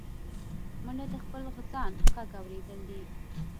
منډه د خپل ځان غږ اورېدل دي